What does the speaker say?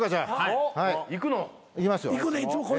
いきますよ。